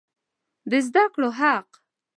د زده کړو حق